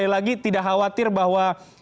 lagi tidak khawatir bahwa